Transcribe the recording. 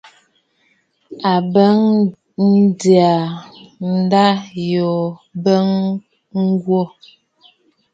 A bɔŋ ǹdɨ̀ʼɨ ndâ yò m̀bɔŋ kwo.